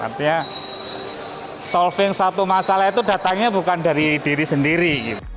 artinya solving satu masalah itu datangnya bukan dari diri sendiri